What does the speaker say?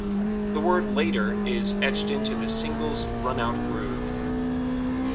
The word "Later" is etched into the single's run-out groove.